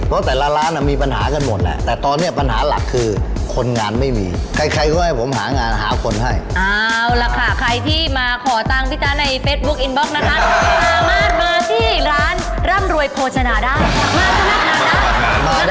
เพราะแต่ละร้านมีปัญหากันหมด